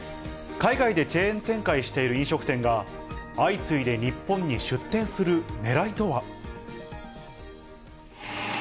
海外でチェーン展開している飲食店が、相次いで日本に出店するねらいとは。